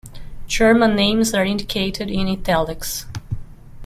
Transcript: German names are indicated in "italics".